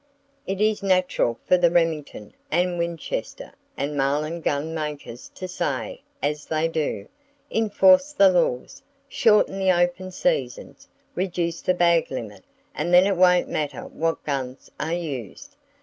It is natural for the Remington, and Winchester, and Marlin gun makers to say, as they do, "Enforce the laws! Shorten the open seasons! Reduce the bag limit, and then it won't matter what guns are used!